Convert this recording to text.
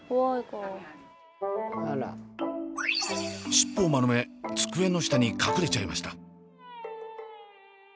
尻尾を丸め机の下に隠れちゃいました。